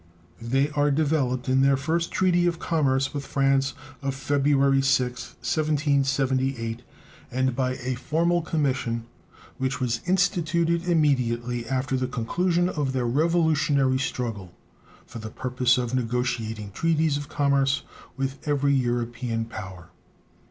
They are developed in their first treaty of commerce with France of February 6th, 1778, and by a formal commission which was instituted Immediately after the conclusion of their Revolutionary struggle, for the purpose of negotiating treaties of commerce with every European power.